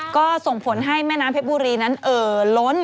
ก็ส่งผลให้แม่น้ำเพชรบุรีนั้นเอ่อล้น